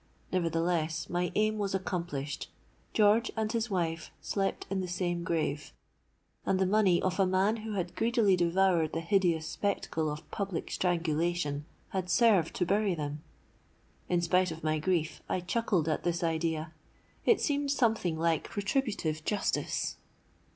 Nevertheless, my aim was accomplished: George and his wife slept in the same grave; and the money of a man who had greedily devoured the hideous spectacle of public strangulation had served to bury them! In spite of my grief I chuckled at this idea; it seemed something like retributive justice.